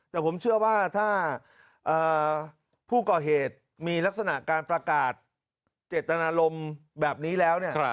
แต่ผมเชื่อว่าถ้าผู้ก่อเหตุมีลักษณะการประกาศเจตนารมณ์แบบนี้แล้วเนี่ย